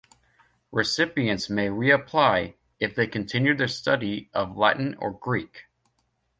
Recipients may reapply, if they continue their study of Latin or Greek.